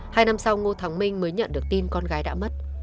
hai năm sau ngô thắng minh mới nhận được tin con gái đã mất